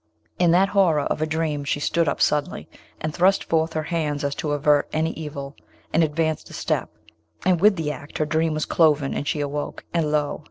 In that horror of her dream she stood up suddenly, and thrust forth her hands as to avert an evil, and advanced a step; and with the act her dream was cloven and she awoke, and lo!